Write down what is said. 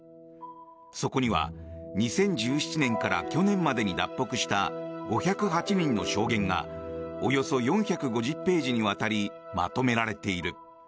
そこには２０１７年から去年までに脱北した５０８人の証言がおよそ４５０ページにわたりまとめられている。